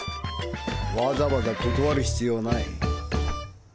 わざわざ断る必要ない。